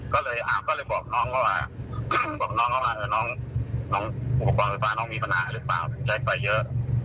ก็เลยบอกน้องว่าหัวของห้องไฟมันมีปัญหาหรือเปล่าใช้ไฟเยอะ